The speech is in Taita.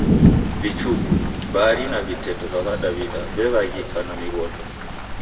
Vichuku, mbari na viteto va W'adaw'ida vew'aghika na mighondi.